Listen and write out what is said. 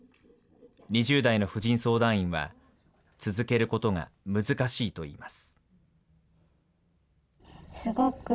２０代の婦人相談員は、続けることが難しいといいます。